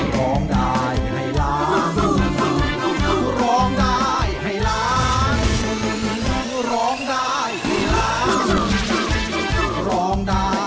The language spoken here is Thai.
ร้องได้ให้ล้านร้องได้ให้ล้าน